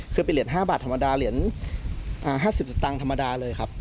คือเป็นเหรียญ๕บาทธรรมดาเหรียญ๕๐สตางค์ธรรมดาเลยครับ